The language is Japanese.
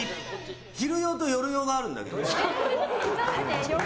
昼用と夜用があるんだけど。